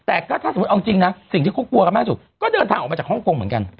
แต่ก็ถ้าสมมุติเอาจริงนะสิ่งที่เขากลัวกันมากสุดก็เดินทางออกมาจากฮ่องกงเหมือนกัน